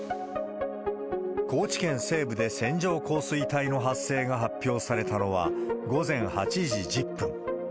高知県西部で線状降水帯の発生が発表されたのは、午前８時１０分。